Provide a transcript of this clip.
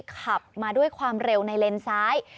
ขับมาด้วยความเร็วในเลนซ้าย